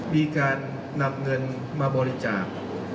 มีการนำเงินมาบริจาค